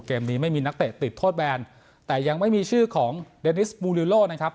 เกมนี้ไม่มีนักเตะติดโทษแบนแต่ยังไม่มีชื่อของเดนิสบูลิโลนะครับ